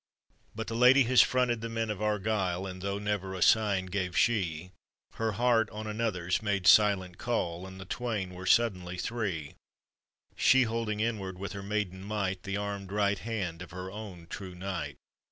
But the lady ha. fronted the men of Argv|e And though never a sign gave «h« Her heart on another's made .{lent call And the twain were suddenly three, ' She holding inward with her maiden might The armed r.ght hand of her own true knight.